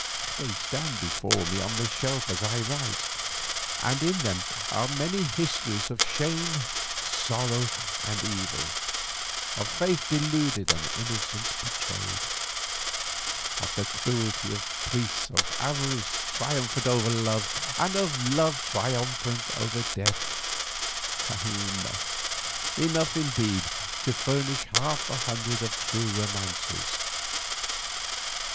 They stand before me on the shelf as I write, and in them are many histories of shame, sorrow, and evil, of faith deluded and innocence betrayed, of the cruelty of priests, of avarice triumphant over love, and of love triumphant over death—enough, indeed, to furnish half a hundred of true romances.